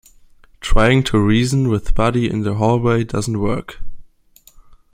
Trying to reason with Buddy in the hallway doesn't work.